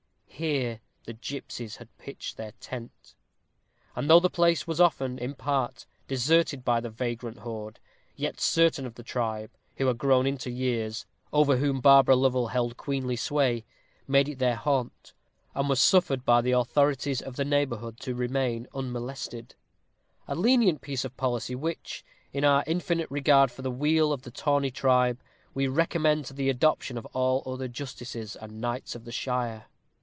Here the gipsies had pitched their tent; and though the place was often, in part, deserted by the vagrant horde, yet certain of the tribe, who had grown into years over whom Barbara Lovel held queenly sway made it their haunt, and were suffered by the authorities of the neighborhood to remain unmolested a lenient piece of policy, which, in our infinite regard for the weal of the tawny tribe, we recommend to the adoption of all other justices and knights of the shire.